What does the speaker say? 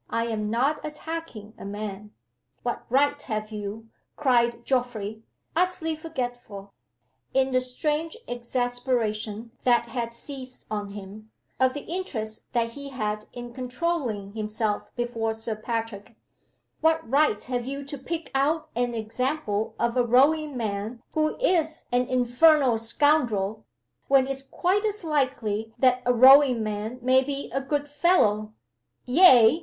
"I am not attacking a man." "What right have you," cried Geoffrey utterly forgetful, in the strange exasperation that had seized on him, of the interest that he had in controlling himself before Sir Patrick "what right have you to pick out an example of a rowing man who is an infernal scoundrel when it's quite as likely that a rowing man may be a good fellow: ay!